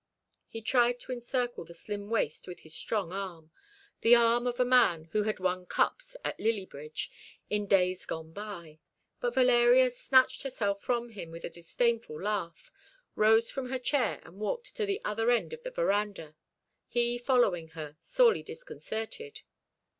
He tried to encircle the slim waist with his strong arm the arm of a man who had won cups at Lillie Bridge in days gone by but Valeria snatched herself from him with a disdainful laugh, rose from her chair, and walked to the other end of the verandah, he following her, sorely disconcerted.